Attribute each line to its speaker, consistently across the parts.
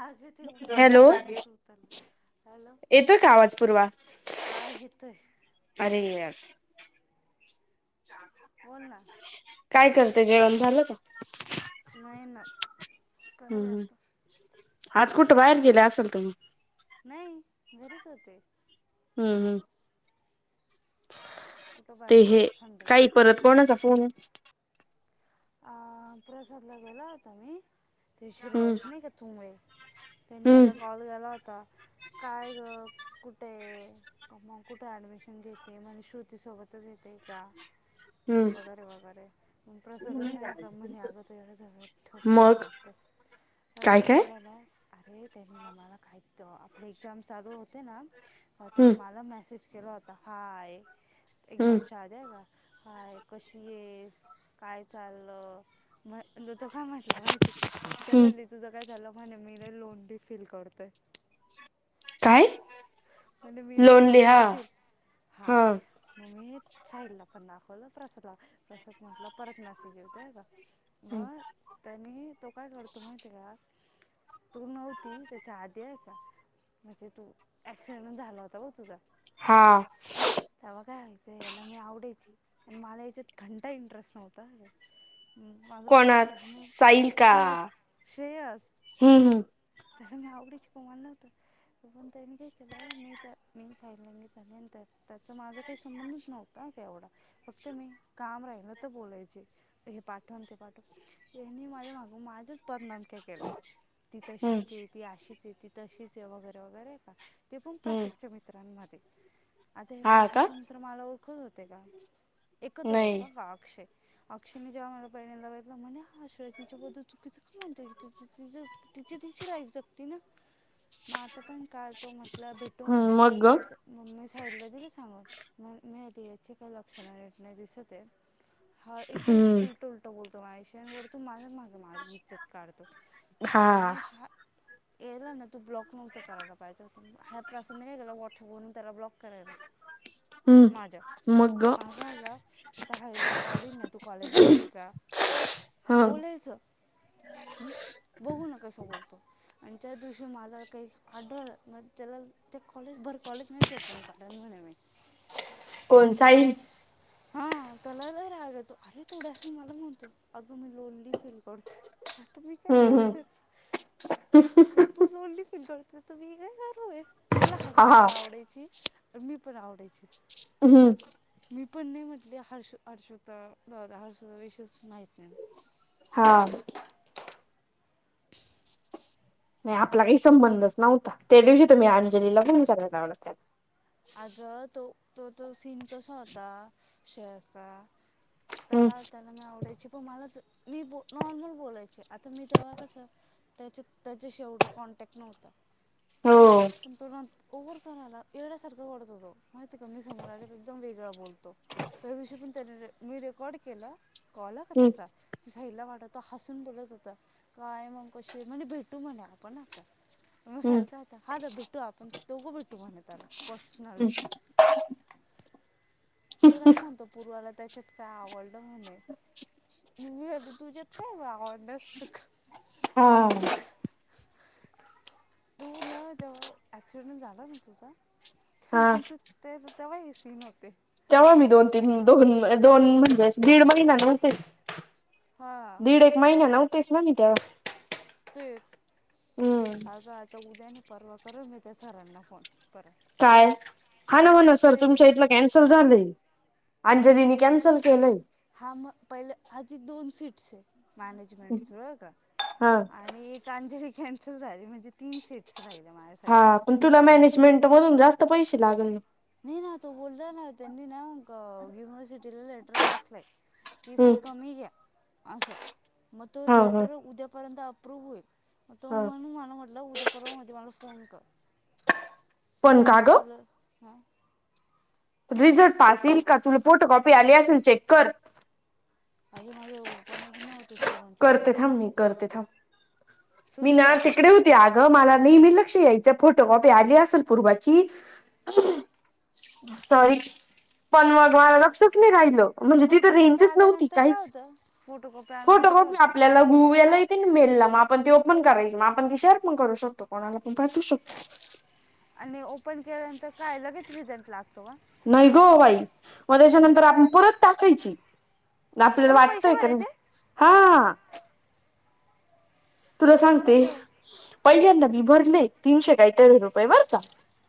Speaker 1: अगं ते
Speaker 2: hello?
Speaker 1: Call नव्हतं उचललं हॅलो
Speaker 2: येतोय का आवाज पूर्वा?
Speaker 1: हा येतोय
Speaker 2: अरे यार!
Speaker 1: बोल ना
Speaker 2: काय करते, जेवण झालं का?
Speaker 1: नाही ना. करायला
Speaker 2: हम्म
Speaker 1: आता
Speaker 2: आज कुठं बाहेर गेले असल तुम्ही?
Speaker 1: नाही घरीच होते.
Speaker 2: हम्म हम्.
Speaker 1: कुठं
Speaker 2: ते
Speaker 1: बाहेर जाऊ
Speaker 2: हे, काही
Speaker 1: संडेच
Speaker 2: परत कोणाचा फोन?
Speaker 1: आ प्रसादला गेला होता मी, ते
Speaker 2: हम्म
Speaker 1: श्रेयस नाही का चुंबळे त्यांनी
Speaker 2: हम्म
Speaker 1: मला कॉल केला होता, काय ग कुठे? क मग कुठे ऍडमिशन घेते, म्हने श्रुतीसोबतच घेते का?
Speaker 2: हम्म
Speaker 1: वगैरे वगैरे मग प्रसादला सांगितलं, म्हने अग तढ जव [unintelligible] ठेव फोन.
Speaker 2: मग काय काय
Speaker 1: हवे लला [unintelligible] अरे त्यांने ना मला कायत आपले एक्झाम चालू होते ना, तर
Speaker 2: हम्म
Speaker 1: त्यांने मला मेसेज केला होता, हाय!
Speaker 2: हम्म
Speaker 1: एक्झामच्या आदि बरका हाय, कशी येस, काय चाललं? म तो काय म्हटला माहिती का,
Speaker 2: हम्म
Speaker 1: त्याला तुझं काय झालं म्हणे मी लई लोणली फील करतोय.
Speaker 2: काय?
Speaker 1: म्हणे मी लई लोनली फील, हा. मग मी हे साहिलला पण दाखवलं प्रसादला, प्रसद म्हटलं परत मेसेज येउदे बरका मग त्यांनी तो काय करतो माहिती का? तू नव्हती त्याच्या आधी आहे का, म्हणजे तू ॲक्सिडेंट झाला होता बघ तुझा.
Speaker 2: हा.
Speaker 1: तवा काय आमचा याला मी आवडायची पण मला या्च्यात घंटा इंटरेस्ट नव्हता.
Speaker 2: कोणा
Speaker 1: माधवपिकम धर्म
Speaker 2: साईल का
Speaker 1: शेयस श्रेयस
Speaker 2: हम्म हम्म
Speaker 1: [unintelligible] तर मी आवडीच प नव्हतं तो पणंत काही [unintelligible] त्यालं मी त्या मी साईलंंगी झाली आणि त्या त्याचा माझा काही संबंधच नव्हता का एवढा [unintelligible] फक्त मी काम राहिल तर बोलायचे हे पाठवून ते पाठव यांनी माझे माग माझंच बदनाम केल्या, ती
Speaker 2: हम्म
Speaker 1: तशीच आहे, ती अशीच आहे, ती तशीच आहे वगैरे वगैरे का ते पण
Speaker 2: हम्म
Speaker 1: प्रसादच्या मित्र मध्ये, आता हे
Speaker 2: हा का
Speaker 1: प्रसादचे मित्र तर मला ओळखत होते का, एकच
Speaker 2: नाही
Speaker 1: ओळखतो हा अक्षय अक्षय ने जेव्हा मला पहिल्यांदा बघितलं, म्हणे हा श्रेयस तिच्याद्दल चुकीचं काय म्हणतोय तिचं तिची तिची लाईफ जगती ना, मग आता पण काल तो म्हटलं भेटू
Speaker 2: हम्म
Speaker 1: म्हणे
Speaker 2: मग ग
Speaker 1: म मी साईलीला दिलं सांगून मग मी याची काही लक्षण नीट नाही दिसत आहे. हा एकदम
Speaker 2: हम्म
Speaker 1: उलटं उलटं बोलतो माझ्याशी आणि वरतून माझ माग माझी इज्जत काढतो.
Speaker 2: हा
Speaker 1: म्हणे हा याला ना तू ब्लॉक नव्हतं करायला पाहिजे. ह्या प्रसाद ने काय केलं व्हाट्सअप वरून त्याला ब्लॉक करायला माझ्या,
Speaker 2: हम्म मग ग
Speaker 1: माझाला आता हा याची कॉल येतील ना तू कॉलेजला गेली का,
Speaker 2: हा
Speaker 1: बोलायच बघू ना कसं बोलतो, आणि त्या दिवशी मला काही आढळ म त्याला ते कॉलेज भरं, भर कॉलेज मध्ये चोपून काढल म्हणे मी,
Speaker 2: कोन साई,
Speaker 1: हा त्याला लय राग येतो, अरे तो डायरेक्ट मला म्हणतो अगं मी लोनली फील करते. आता मी काय
Speaker 2: हम्म
Speaker 1: करू
Speaker 2: हम्म
Speaker 1: त्याचं [unintelligible] त त लोनली फिल करते तर मी काय करू ये त्याला
Speaker 2: हा
Speaker 1: हर्षु
Speaker 2: हा
Speaker 1: पण आवडायची. मी पण आवडयची.
Speaker 2: हम्म.
Speaker 1: पण मी म्हटले हर्षु हर्षु च जाऊदे हर्षुचा विषयच माहिती नाही ना,
Speaker 2: हा.
Speaker 1: ह [unintelligible]
Speaker 2: नाही आपला काही संबंधच नव्हता. त्या दिवशी तर मी अंजलीला पण विचारायला लावलं त्याला,
Speaker 1: अगं, तो, तो तो सीन कसा होता शे असा
Speaker 2: हम्म
Speaker 1: त्याला त्याला मी आवडायची पण मला मी ब नॉर्मल बोलायचे आता मी तेव्हा कसं त्याच्यात, त्याच्याशी एवढा कॉन्टॅक्ट नव्हतं.
Speaker 2: हो
Speaker 1: हा पण तो नंतर ओव्हर करायला, येड्या सारखं करतो तो. माहिती का मी समोर आले एकदम वेगळा बोलतो, त्या दिवशी पण त्याने मी रेकॉर्ड केला कॉल
Speaker 2: हम्म
Speaker 1: कताचा [unintelligible] जायला मला तो हसून बोलत होता. काय मग कशी आहेस भेटू म्हणे आपण आ मग
Speaker 2: हम्म
Speaker 1: साहेित का आता हा द भेटू आपण दोघो भेटू म्हणत आलं
Speaker 2: हम्म
Speaker 1: पर्सनली [unintelligible] तो काय म्हणतो पूर्वाला त्याच्यात काय आवडलं म्हणे मी आली तुझ्यात काय वावण्यासारखं [unintelligible]
Speaker 2: हा.
Speaker 1: तुला जेव्हा ॲक्सिडेंट झाला ना तुझा
Speaker 2: हा
Speaker 1: त्यानंतर ते तेव्हा हे सीन होते.
Speaker 2: तेव्हा मी दोन, तीन, दोन, दोन, म्हणजे दीड महिना नव्हतेच.
Speaker 1: हां
Speaker 2: दीड एक महिना नव्हतेच ना मी तेव्हा
Speaker 1: तेच
Speaker 2: हम्म
Speaker 1: अगं आता उद्या नाही परवा कराल मी त्या सरांना फोन परत,
Speaker 2: काय, हा ना हो ना सर
Speaker 1: तेच
Speaker 2: तुमच्या इथलं कॅन्सल झालंय
Speaker 1: काय
Speaker 2: अंजलीने कॅन्सल केलंय.
Speaker 1: हा म पहिलं आधी दोन सीट्स आहे मॅनेजमेंट थ्रू बर का.
Speaker 2: हा
Speaker 1: आणि कांजरी कॅन्सल झाली म्हणजे तीन सेट्स लाहिले माझे....
Speaker 2: हा पण तुला मॅनेजमेंट म्हणून जास्त पैसे लागले.
Speaker 1: नाही ना तो बोलला ना त्यांनी ना म युनिव्हर्सिटीला लेटर टाकलाय. की
Speaker 2: हम्म
Speaker 1: फी कमी घ्या असं मग तो
Speaker 2: हा हा
Speaker 1: लेटर उद्यापर्यंत अप्रूव्ह होईल... तो
Speaker 2: हा
Speaker 1: म्हणून मला म्हटलं उद्या पर्वा मध्ये मला फोन कर तो
Speaker 2: पण का
Speaker 1: म्हटलं
Speaker 2: ग
Speaker 1: तुला..... हां....
Speaker 2: रिझल्ट पास येईल का तुला फोटोकॉपी आली असेल चेक कर....
Speaker 1: अरे माझं ओपनच नव्हत
Speaker 2: करते थांब मी करते थांब मी
Speaker 1: तूच कर
Speaker 2: नाच इकडे
Speaker 1: तूच
Speaker 2: होते आज.... मला नेहमी लक्ष यायचं फोटोकॉपी आली असेल पूर्वाची.... सॉरी पण मग मला लक्षच नाही राहिल. म्हणजे तिथं
Speaker 1: फोटो कॉपी
Speaker 2: रेंजच नव्हती
Speaker 1: आल्यानंतर काय
Speaker 2: काहीच
Speaker 1: होतं फोटो कॉपी
Speaker 2: फोटो.....
Speaker 1: आल्यानंतर काय होतं
Speaker 2: आपल्याला गुगल येते मेल ला ओपन करायची ती शेअर पण करू शकतो.... कोणाला पण पाठवू शकतो....
Speaker 1: आणि ओपन केल्यानंतर काय लगेच रिझल्ट लागतो का?
Speaker 2: नाही ग बाई मग त्याच्यानंतर आपण परत टाकायची. आपल्याला
Speaker 1: परत पैसे
Speaker 2: वाटतंय का
Speaker 1: भरायचे
Speaker 2: हा? तुला
Speaker 1: बाई
Speaker 2: सांगते
Speaker 1: परत द
Speaker 2: पहिल्यांदा मी भरले तीनशे..... काही तेरा रुपये बर का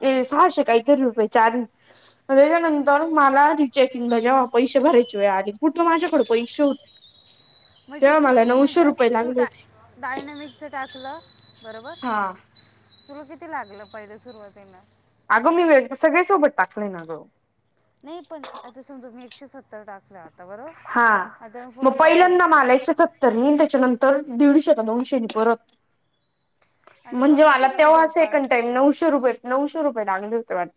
Speaker 1: हां
Speaker 2: सहाशे काहीतरी रुपये चार... म त्याच्यानंतर मला रिचेकिंगला जेव्हा पैसे भरायचे वेळ आली कुठ माझ्याकडं पैसे होते.
Speaker 1: म्हणजे
Speaker 2: तेव्हा
Speaker 1: तू
Speaker 2: मला
Speaker 1: एक मिनिट
Speaker 2: नऊशे रुपये
Speaker 1: तू
Speaker 2: लागले होते
Speaker 1: डायनॅमिक टाकलं बरोबर....
Speaker 2: हां....
Speaker 1: तुला किती लागलं पहिलं सुरुवातीला....
Speaker 2: अगं मी वे सगळ्या सोबत टाकले ना अगं...
Speaker 1: नाही पण आता समजा मी एकशे सत्तर टाकलं....
Speaker 2: हा
Speaker 1: बरोबर आता मी
Speaker 2: मग
Speaker 1: फोटो कॉपी
Speaker 2: पहिल्यांदा मालायच्या... तर म त्याच्यानंतर दीडशे का दोनशेनी परत...
Speaker 1: आणि पण
Speaker 2: म्हणजे मला
Speaker 1: होतो का
Speaker 2: तेव्हा
Speaker 1: रिझल्ट पास
Speaker 2: सेकंड टाईम नऊशे रुपये नऊशे रुपये लागले होते वाटत......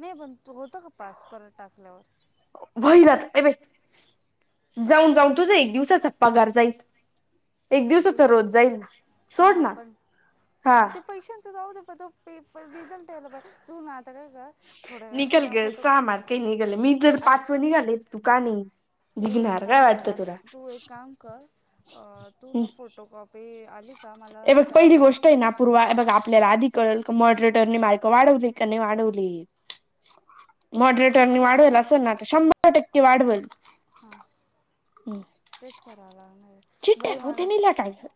Speaker 1: नाही पण तू होत का पास परत टाकल्यावर....
Speaker 2: होऊन जातं दे बाई... जाऊन जाऊन तुझं एक दिवसाचा पगार जाईल.
Speaker 1: एक
Speaker 2: दिवसाचा
Speaker 1: दिवसा
Speaker 2: रोज जाईल ना
Speaker 1: हा
Speaker 2: सोड ना
Speaker 1: पण
Speaker 2: हा
Speaker 1: ते पैशांचं जाऊ द पण.... पेपर रिझल्ट यायला पाहिजे तू ना आता काय कर. थोड्या वेळाने
Speaker 2: निघल
Speaker 1: ना
Speaker 2: ग
Speaker 1: फोटो
Speaker 2: सहा मार्क आहे निघाल मी तर
Speaker 1: आई
Speaker 2: पाचव निघाले दुकानी....
Speaker 1: हे ब एक काम कर आता तू एक काम कर तू ना फोटो कॉपी आणि....
Speaker 2: परत पहिली गोष्ट.... य ना पूर्वा बघ आपल्याला आधी कळ मॉडरेटरनी मार्क वाढवली का नाही वाढवली...
Speaker 1: तूच
Speaker 2: मॉडरेटरनी
Speaker 1: चेक कर
Speaker 2: वाढवल असेल ना तर शंभर टक्के वाढवेल.
Speaker 1: हा तेच करावं लागणार
Speaker 2: चिट्ट्या
Speaker 1: बाई
Speaker 2: नव्हते
Speaker 1: मला.
Speaker 2: निला काय ग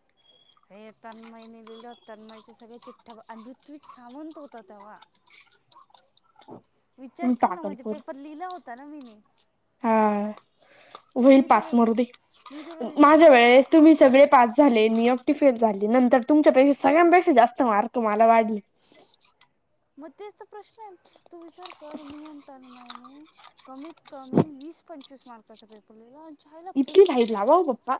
Speaker 1: हे तन्मय लिहलेले तन्यचा सगळे चठ्ठा ऋत्विक सावंत होता तेव्हा....
Speaker 2: हो.....
Speaker 1: विचार कर ना म्हणजे पेपर लिहिला होता ना मी ने....
Speaker 2: हा होईल
Speaker 1: मी
Speaker 2: पास
Speaker 1: तुला
Speaker 2: मरु दे
Speaker 1: मी तुला विचार
Speaker 2: माझ्या
Speaker 1: कर
Speaker 2: वेळेस... तुम्ही सगळे पास झाले मी एकटी फेल झाले नंतर तुमच्यापेक्षा सगळ्यांपेक्षा जास्त मार्क मला वाढले.
Speaker 1: मग तेच तर प्रश्न आहे तू विचार कर मी आणि तन्मयनी... कमीत कमी वीस पंचवीस मार्काचा पेपर लिहिला.... जायला फेल
Speaker 2: इथली
Speaker 1: कसं
Speaker 2: लाईट लावा
Speaker 1: केलं
Speaker 2: पप्पा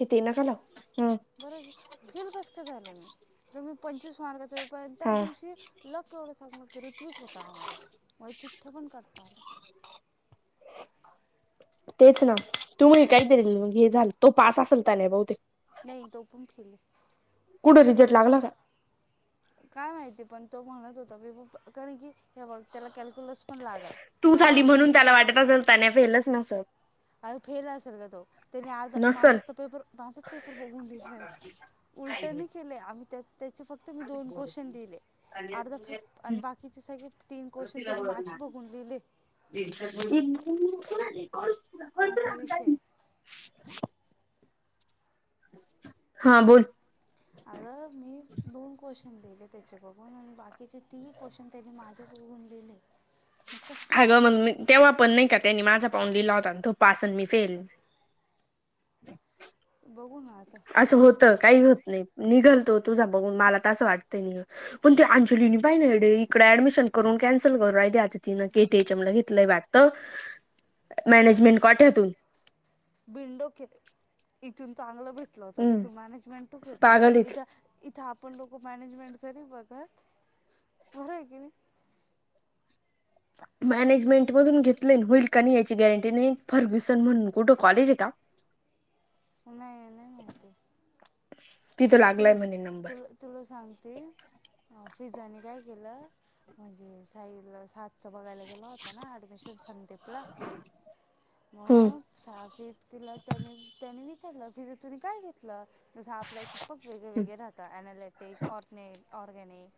Speaker 2: हे ते नका
Speaker 1: मग
Speaker 2: लाव ह....
Speaker 1: बरं फील कस का झालं मी तुम्ही पंचवीस मार्काच पेपर त्याच
Speaker 2: हा
Speaker 1: दिवशी ल... वढं सांगण की ऋत्विक होता. आम्हाला मग चिठ पण करता आले.
Speaker 2: तेच ना तू म्हन काहीतरी म हे झालं तो पास असेल तर नाही बहुतेक....
Speaker 1: नइ तो पण फिली
Speaker 2: कुठं रिझल्ट लागला का?
Speaker 1: काय माहिती पण तो म्हणत होता [unintelligible] कारण की हे बघ त्याला कॅल्क्युलस पण लागल.
Speaker 2: तू
Speaker 1: त्याला
Speaker 2: झाली म्हणून
Speaker 1: इंग्लिश
Speaker 2: त्याला वाटत असेल त्याने फेलच नसल.
Speaker 1: अर फेल असल ग तो, त्याने आज
Speaker 2: नसल.
Speaker 1: माझ त पेपर माझाच पेपर बघून दिलाय. उलट नाही केलंय आम्ही त्या त्याचे फक्त मी दोन क्वेश्चन दिले. अर्धफेक, आणि बाकीचे सगळे तीन क्वेश्चन त्यांनी माझे बघून लिहिले.
Speaker 2: [unintelligible]
Speaker 1: असा विषय.
Speaker 2: हा बोल.
Speaker 1: अग मी दोन क्वेश्चन दिले त्याचे बघून आणि बाकीचे तीन क्वेशन त्याने माझे बघून लिहिले. मग कसं काय
Speaker 2: आगं
Speaker 1: शक्य
Speaker 2: मग
Speaker 1: तो
Speaker 2: मी तेव्हा पण नाही का त्यानी माझा पाहून लिला होता अन तो पासन मी फेल.
Speaker 1: बघू ना आता.
Speaker 2: असं होतं काहीच होत नाही निघलतो तुझा बघून मला तसं वाटतंय नि पण ते अंजलीनी पाहि नडे इकडे ऍडमिशन करून कॅन्सल करून राहिली आदि तिन के
Speaker 1: बघ
Speaker 2: टी एच एम ला घेतलंय वाटतं, मॅनेजमेंट कोठ्यातून.
Speaker 1: बिनडोक ये ते, इथून चांगलं भेटलं होत
Speaker 2: हम्म
Speaker 1: तिथून मॅनेजमेंट घेतलं
Speaker 2: पागल आहे ती.
Speaker 1: इथं इथं आपण लोकं मॅनेजमेंटच नाही बघत, बरं आहे की नाही.
Speaker 2: मॅनेजमेंट मधून घेतलय होईल का नाही याची गॅरंटी नाही फर्ब्युसन म्हणून कुठं कॉलेज आहे का? [inaudible]
Speaker 1: नाय नाहीय ते.
Speaker 2: तिथं
Speaker 1: तुला,
Speaker 2: लागलाय म्हणे नंबर
Speaker 1: तुला तुला सांगते, फिजानी काय केलं? म्हणजे साईल सातच बघायला गेला होता ना ऍडमिशन संदेप ला, म. सहा फीत तीला त्याने त्यानी विचारलं फिजा तुनी काय घेतलं, जस आपल्या पक वेगळे वेगळे राहता अनालिटिक, ओटनेक, ऑरगॅनिक,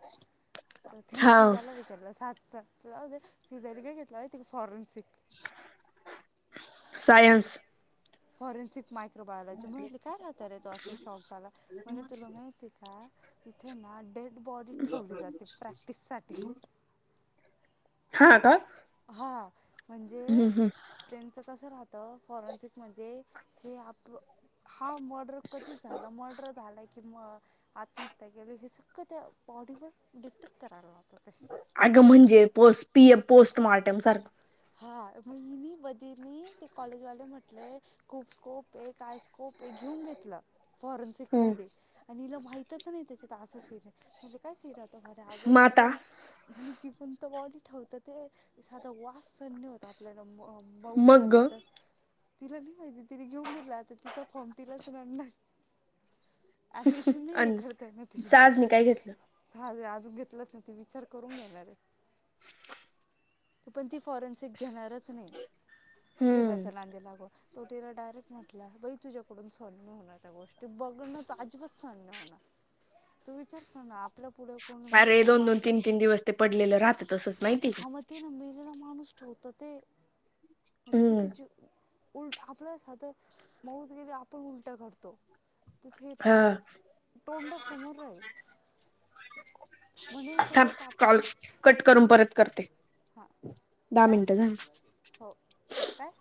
Speaker 1: त्याने
Speaker 2: हा
Speaker 1: फिजाला वी चारल सात सात राहू दे, फिजा ने काय घेतला महिते का फॉरेनसिक.
Speaker 2: सायन्स.
Speaker 1: फॉरेनसिक. मायक्रोबायोलॉजी म्हणाली काय राहत रे तो असा शॉक झाला, म्हणे तुला माहिती आहे का? तिथे ना डेड बॉडी ठेवली जाते प्रॅक्टिससाठी.
Speaker 2: हा का?
Speaker 1: हा, म्हणजे.
Speaker 2: हम्म हम्
Speaker 1: त्यांचं कसं राहतं फॉरेन्सिकमध्ये, जे आप हा मर्डर कधी झालं मर्डर झालाय किंवा, आत्महत्या केली हे सगळं त्या बॉडीवर डिटेक्ट कराय ला
Speaker 2: अगं म्हणजे पोस् पीए पोस्टमार्टम सारखं.
Speaker 1: हा म हिनी बधीनी ते कॉलेजवाले म्हटले खूप स्कोप आहे काय स्कोप आहे घेऊन घेतला. फॉरेन्सिक मध्ये, आणि हिला माहितच नाही त्याच्यात असा सीनये. [unintelligible] काय शिरातो [unintelligible] अग जी
Speaker 2: माता
Speaker 1: पण आणि जी पन तो बॉडी ठेवताते साधा वास सहन होता आप ल्याला मऊत
Speaker 2: मग्ग
Speaker 1: झाली तर. तिला नाही माहिती तिने घेऊन गेतला आता तिचा फॉर्म तिलाच रडणार. ऍडमिशन नाही हे
Speaker 2: आणि
Speaker 1: खर त्यान
Speaker 2: साजनी काय घेतलं
Speaker 1: [unintelligible] साजरे अजून घेतलंच न ते विचार करून घेणार रे, पण ती फॉरेन्सिक घेणारच नाही,
Speaker 2: हम्म
Speaker 1: फिजाच्या नादी लागून. तो तीला डायरेक्ट म्हटला बई तुझ्याडून सॉल नाही होणार त्या गोष्टी. ते बघणं तर आजिबात सहन नाही होणार, तो विचार तो ना आप
Speaker 2: अरे दोन दोन, तीन तीन दिवस ते पडलेलं राहतं तसंच माहितीय
Speaker 1: हा मग ते ना मिलेला माणूस ठेवत ते म्हणजे किती
Speaker 2: हम्म
Speaker 1: उलट आपण स्वतः मऊज गेले आपण उलट करतो. तिथे
Speaker 2: हा
Speaker 1: तर तोंड समोर राहील म्हणे सगळं काप
Speaker 2: कॉल कट करून परत करते.
Speaker 1: हां
Speaker 2: दहा
Speaker 1: काय
Speaker 2: मिनिटं झाली
Speaker 1: हो काय?